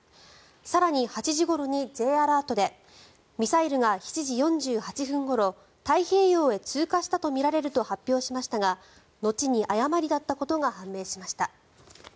更に、８時ごろにＪアラートでミサイルが７時４８分ごろ太平洋へ通過したとみられると発表しましたが後に誤りだったことが判明しました。